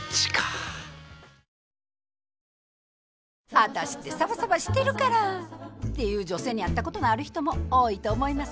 「ワタシってサバサバしてるから」って言う女性に会ったことのある人も多いと思います。